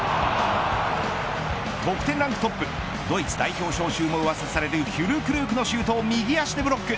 得点ランクトップドイツ代表招集もうわさされるフュルクルークのシュートを右足でブロック。